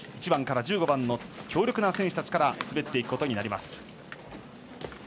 １番から１５番の強力な選手たちから滑っていくことになります。